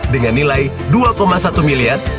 dengan nilai dua satu miliar